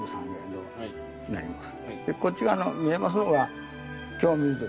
こっち側の見えますのが。